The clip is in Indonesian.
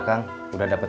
ya sudah boleh